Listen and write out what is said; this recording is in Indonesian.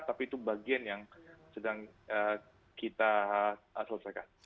tapi itu bagian yang sedang kita selesaikan